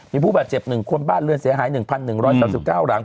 มีผู้บาดเจ็บ๑คนบ้านเรือนเสียหาย๑๑๓๙หลัง